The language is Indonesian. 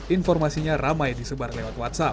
informasinya ramai disebar lewat whatsapp